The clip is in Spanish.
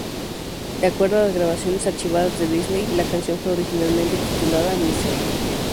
De acuerdo a las grabaciones archivadas de Disney, la canción fue originalmente titulada "Mr.